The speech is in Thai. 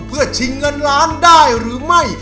เพื่อชิงเงินล้านได้หรือไม่